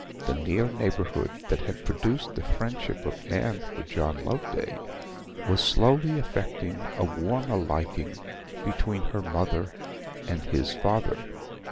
The near neighbourhood that had produced the friendship of Anne for John Loveday was slowly effecting a warmer liking between her mother and his father.